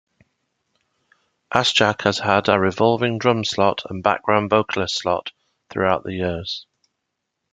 Assjack has had a revolving drum slot and background vocalist slot throughout the years.